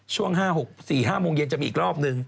ช่วง๔๕โมงเย็นจะมีอีกรอบนึง